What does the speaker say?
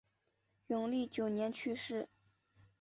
永历九年去世。